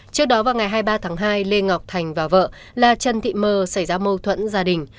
trước đó vào ngày hai mươi ba tháng hai lê ngọc thành và vợ là trần thị mơ xảy ra mâu thuẫn gia đình